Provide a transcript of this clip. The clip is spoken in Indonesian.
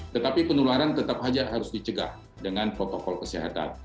tetapi penularan tetap saja harus dicegah dengan protokol kesehatan